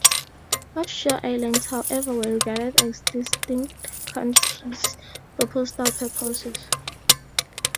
Offshore islands, however, were regarded as distinct counties for postal purposes.